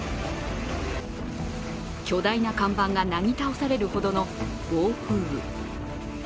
巨大な看板がなぎ倒されるほどの暴風雨。